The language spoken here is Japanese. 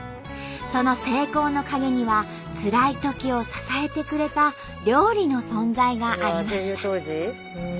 その成功の陰にはつらいときを支えてくれた料理の存在がありました。